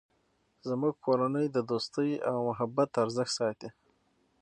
زموږ کورنۍ د دوستۍ او محبت ارزښت ساتی